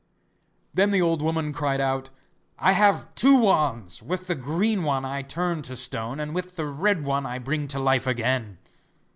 Then the old woman cried out: 'I have two wands, with the green one I turn to stone, and with the red one I bring to life again.